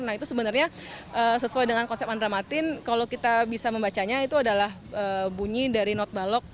nah itu sebenarnya sesuai dengan konsep andramatin kalau kita bisa membacanya itu adalah bunyi dari not balok